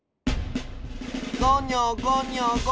ごにょごにょごにょ。